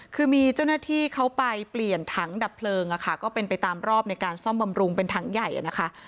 คือมีเจ้าหน้าที่เขาไปเปลี่ยนถังดับเพลิงก็เป็นไปตามรอบในการซ่อมบำรุงเป็นถังใหญ่นะคะ